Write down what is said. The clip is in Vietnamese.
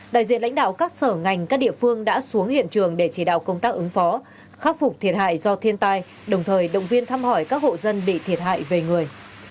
đại diện lãnh đạo các sở ngành các địa phương đã xuống hiện trường để chỉ đạo công tác ứng phó khắc phục thiệt hại do thiên tai đồng thời động viên thăm hỏi các hộ dân bị thiệt hại về người